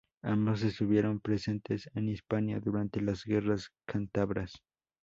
Ambos estuvieron presentes en Hispania durante las guerras cántabras.